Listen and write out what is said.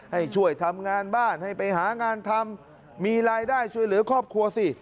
ให้ช่วยทำงานบ้านให้ไปหางานทำมีรายได้ช่วยเหลือครอบครัวสิ